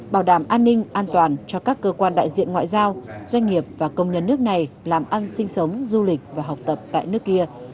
bảo đảm an ninh an toàn cho các cơ quan đại diện ngoại giao doanh nghiệp và công nhân nước này làm ăn sinh sống du lịch và học tập tại nước kia